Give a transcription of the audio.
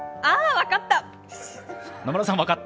あぁ、分かった！